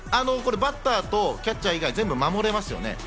バッターとキャッチャー以外、守れますよね。